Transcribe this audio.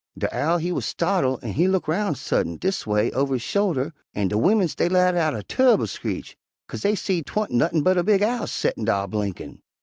De Owl he wuz startle' an' he look roun' suddint, dis a way, over his shoulder, an' de wimmins dey let out a turr'ble screech, 'kase dey seed 'twa'n't nuttin' but a big owl settin' dar blinkin'.